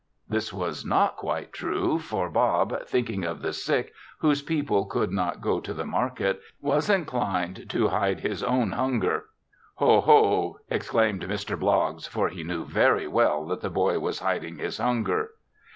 This was not quite true, for Bob, thinking of the sick, whose people could not go to market, was inclined to hide his own hunger. "Ho, ho!" exclaimed Mr. Bloggs, for he knew very well that the boy was hiding his hunger.